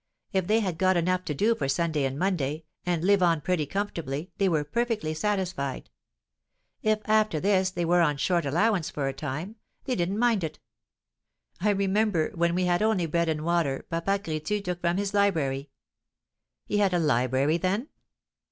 If they had got enough to do for Sunday and Monday, and live on pretty comfortably, they were perfectly satisfied. If, after this, they were on short allowance for a time, they didn't mind it. I remember, when we had only bread and water, Papa Crétu took from his library " "He had a library, then?"